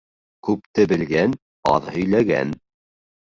Күпте белгән аҙ һөйләгән.